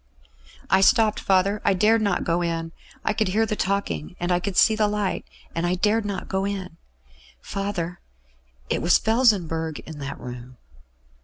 "I stopped, father; I dared not go in. I could hear the talking, and I could see the light; and I dared not go in. Father, it was Felsenburgh in that room."